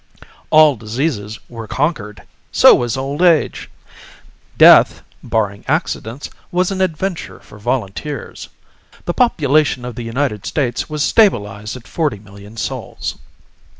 All diseases were conquered. So was old age. Death, barring accidents, was an adventure for volunteers. The population of the United States was stabilized at forty million souls.